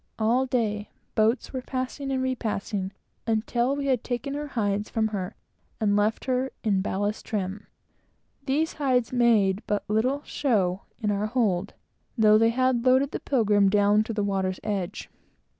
All day, boats were passing and repassing, until we had taken her hides from her, and left her in ballast trim. These hides made but little show in our hold, though they had loaded the Pilgrim down to the water's edge.